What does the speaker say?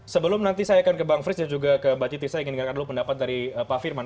sebelum nanti saya akan ke bang frits dan juga ke mbak citi saya ingin dengarkan dulu pendapat dari pak firman